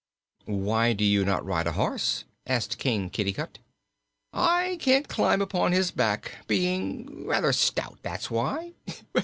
"Why do you not ride a horse?" asked King Kitticut. "I can't climb upon his back, being rather stout; that's why.